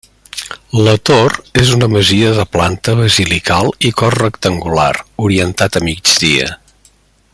La Tor és una masia de planta basilical i cos rectangular, orientat a migdia.